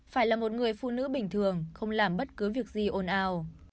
phải là một người phụ nữ bình thường không làm bất cứ việc gì ồn ào